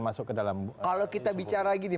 masuk ke dalam kalau kita bicara gini